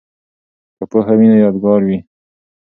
که پوهه وي نو یادګار وي.